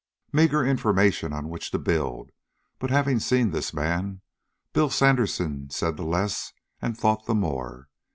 Meager information on which to build, but, having seen this man, Bill Sandersen said the less and thought the more.